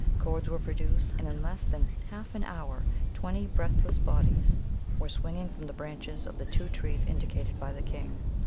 Cords were produced, and in less than half an hour twenty breathless bodies were swinging from the branches of the two trees indicated by the king.